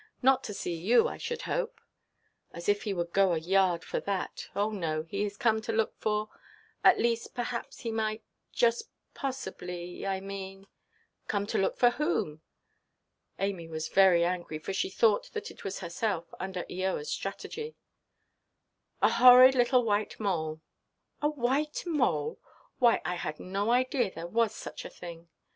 Not to see you, I should hope?" "As if he would go a yard for that! Oh no, he is come to look for—at least, perhaps he might, just possibly, I mean——" "Come to look for whom?" Amy was very angry, for she thought that it was herself, under Eoaʼs strategy. "A horrid little white mole." "A white mole! Why, I had no idea that there was such a thing."